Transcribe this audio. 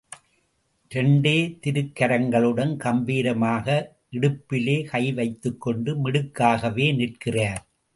இரண்டே திருக்கரங்களுடன் கம்பீரமாக இடுப்பிலே கை வைத்துக் கொண்டு மிடுக்காகவே நிற்கிறார்.